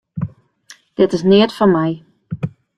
Dat is neat foar my.